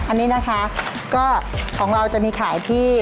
อันนี้นะคะก็ของเราจะมีขายที่